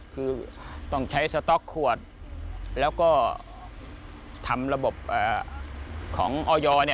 คือต้องใช้สต๊อกขวดแล้วก็ทำระบบของออย